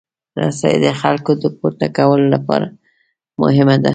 رسۍ د خټکو د پورته کولو لپاره مهمه ده.